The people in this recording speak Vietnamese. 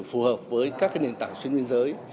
phù hợp với các nền tảng xuyên biên giới